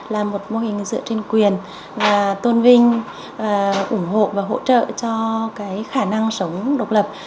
là một mô hình dựa trên quyền và tôn vinh ủng hộ và hỗ trợ cho cái khả năng sống độc lập